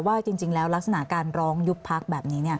ว่าจริงแล้วลักษณะการร้องยุบพักแบบนี้